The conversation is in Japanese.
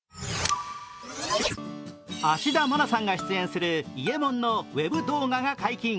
芦田愛菜さんが出演する伊右衛門のウェブ動画が解禁。